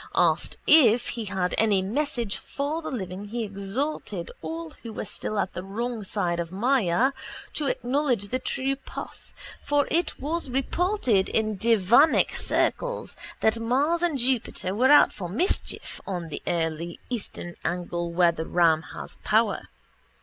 Asked if he had any message for the living he exhorted all who were still at the wrong side of Māyā to acknowledge the true path for it was reported in devanic circles that Mars and Jupiter were out for mischief on the eastern angle where the ram has power.